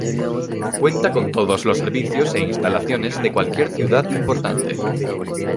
Cuenta con todos los servicios e instalaciones de cualquier ciudad importante.